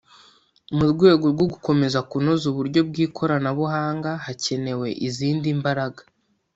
Mu rwego rwo gukomeza kunoza uburyo bw ikoranabuhanga hakenewe izindi mbaraga